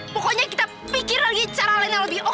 pokoknya kita pikir lagi cara lain yang lebih oke